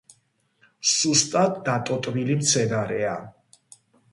სუსტად დატოტვილი მცენარეა.